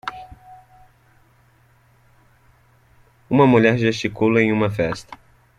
Uma mulher gesticula em uma festa.